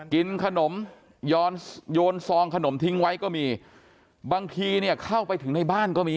กินขนมโยนซองขนมทิ้งไว้ก็มีบางทีเนี่ยเข้าไปถึงในบ้านก็มี